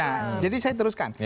nah jadi saya teruskan